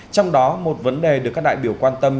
trong đó một vấn đề được các đại biểu quan tâm